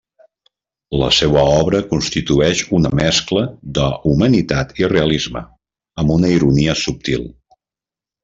La seua obra constitueix una mescla d'humanitat i realisme, amb una ironia subtil.